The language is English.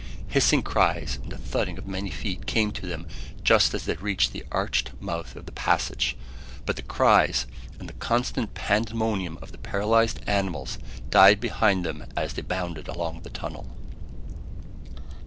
Hissing cries and the thudding of many feet came to them just as they reached the arched mouth of the passage. But the cries, and the constant pandemonium of the paralysed animals died behind them as they bounded along the tunnel.